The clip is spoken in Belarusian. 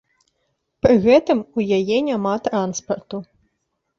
Пры гэтым у яе няма транспарту.